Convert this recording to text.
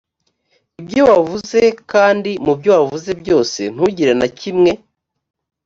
ibyo wavuze kandi mu byo wavuze byose ntugire na kimwe